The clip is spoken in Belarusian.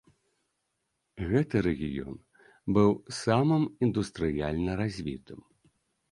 Гэты рэгіён быў самым індустрыяльна развітым.